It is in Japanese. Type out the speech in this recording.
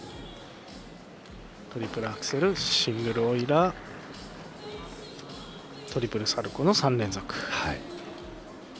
トリプルアクセルシングルオイラートリプルサルコーの３連続。